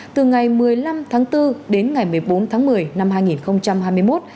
từ ngày một mươi năm tháng bốn đến ngày một mươi bốn tháng một mươi năm hai nghìn hai mươi một